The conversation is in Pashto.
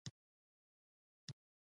لکه دای چې و.